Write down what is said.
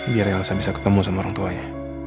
biar elsa bisa ketemu sama orang tuanya